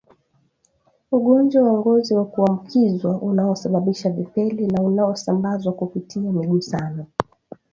ugonjwa wa ngozi wa kuambukizwa unaosababisha vipele na unaosambazwa kupitia migusano